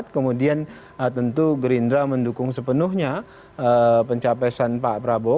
kemudian tentu gerindra mendukung sepenuhnya pencapesan pak prabowo